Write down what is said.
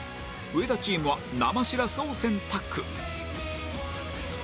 上田チームは生シラスを選択